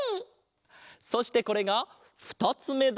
そしてこれがふたつめだ！